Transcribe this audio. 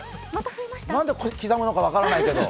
なんで刻むのか分からないけど。